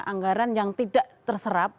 anggaran yang tidak terserap